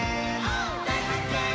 「だいはっけん！」